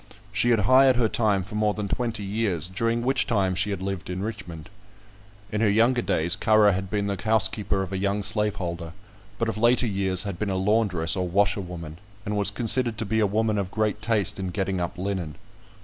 She had hired her time for more than twenty years, during which time she had lived in Richmond. In her younger days Currer had been the housekeeper of a young slaveholder; but of later years had been a laundress or washerwoman, and was considered to be a woman of great taste in getting up linen.